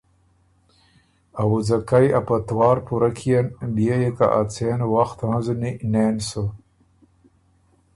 ا وُځه کئ ا پتوار پُورۀ کيېن، بيې يې که ا څېن وخت هنزنی، نېن سُو،